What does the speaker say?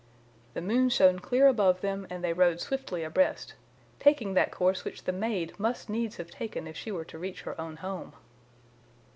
The moon shone clear above them, and they rode swiftly abreast, taking that course which the maid must needs have taken if she were to reach her own home.